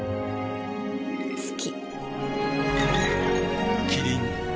好き。